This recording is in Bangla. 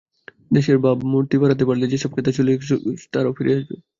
দেশের ভাবমূর্তি বাড়াতে পারলে যেসব ক্রেতা চলে গিয়েছিলেন, তাঁরাও ফিরে আসবেন।